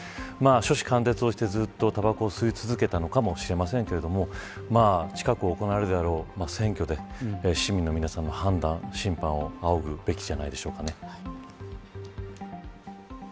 初志貫徹をして、ずっとたばこを吸い続けなのかもしれませんけど近く行われるであろう選挙で市民の皆さんの判断審判を仰ぐべきではないでしょうか。